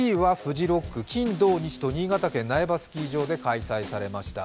１位はＦＵＪＩＲＯＣＫ、金、土、日と新潟県苗場スキー場で開催されました。